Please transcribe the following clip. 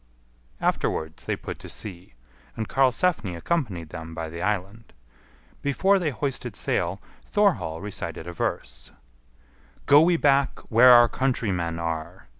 Afterwards they put to sea, and Karlsefni accompanied them by the island. Before they hoisted sail Thorhall recited a verse: "Go we back where our countrymen are.